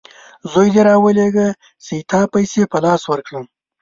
زوی دي راولېږه چې ستا پیسې په لاس ورکړم!